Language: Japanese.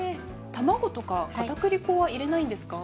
卵とか片栗粉は入れないんですか？